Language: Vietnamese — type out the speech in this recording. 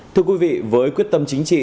thưa quý vị với quyết tâm chính trị